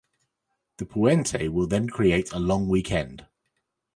The puente will then create a long weekend.